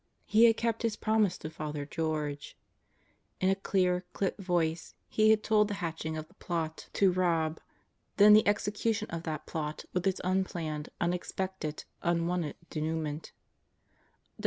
He had kept his promise to Father George. In a clear, clipped voice he had told the hatching of the plot 42 God Goes to Murderers Row to rob; then the execution of that plot with its unplanned, unex pected, unwanted denouement.